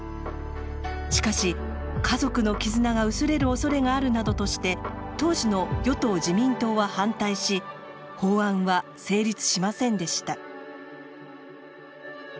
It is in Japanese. しかし「家族の絆が薄れる恐れがある」などとして当時の与党自民党は反対し法案は成立しませんでした。